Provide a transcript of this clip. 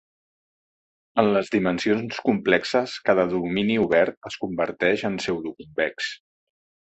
En les dimensions complexes cada domini obert és converteix en pseudoconvex.